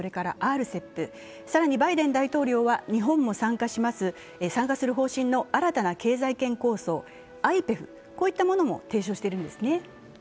ＴＰＰ、ＲＣＥＰ、更にバイデン大統領は日本も参加する方針の新たな経済圏構想、ＩＰＥＦといったものも構想しているんですね。